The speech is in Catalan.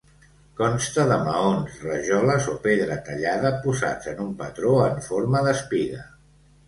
Consta de maons, rajoles o pedra tallada posats en un patró en forma d'espiga.